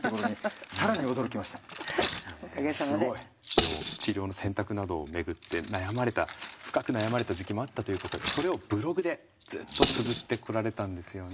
でも治療の選択などをめぐって悩まれた深く悩まれた時期もあったということでそれをブログでずっとつづってこられたんですよね。